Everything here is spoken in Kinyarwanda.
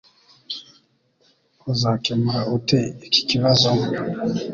Uzakemura ute iki kibazo?